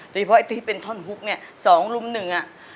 เฉพาะไอ้ที่เป็นท่อนฮุกเนี่ย๒ลุมหนึ่งอ่ะ